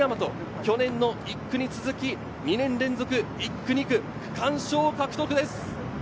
去年の１区に続き２年連続、１区、２区、区間賞を獲得です。